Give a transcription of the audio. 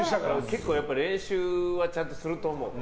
結構、練習はちゃんとすると思う。